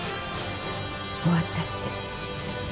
終わったって。